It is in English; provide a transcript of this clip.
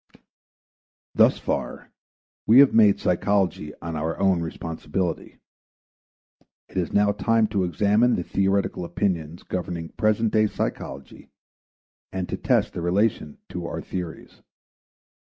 Thus far we have made psychology on our own responsibility; it is now time to examine the theoretical opinions governing present day psychology and to test their relation to our theories.